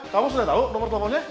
kamu sudah tahu nomor teleponnya